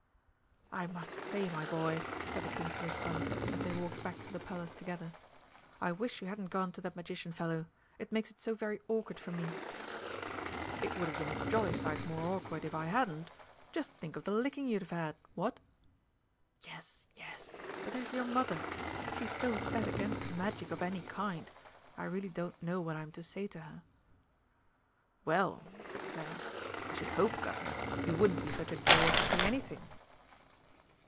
"I must say, my boy," said the King to his son, as they walked back to the Palace together, "I wish you hadn't gone to that magician fellow. It makes it so very awkward for me." "It would have been a jolly sight more awkward if I hadn't. Just think of the licking you'd have had, what?" "Yes, yes but there's your Mother. She's so set against Magic of any kind. I really don't know what I'm to say to her." "Well," said Clarence, "I should hope, Guv'nor, you wouldn't be such a jay as to say anything."